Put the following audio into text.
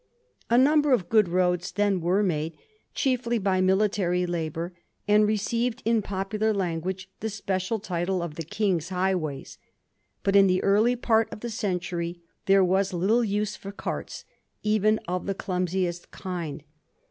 A number of good roads were then made, chiefly by military labour, and received in popular language the special title of the King's highways. But in the early part of the century there was little use for carts, even of the clumsiest kind.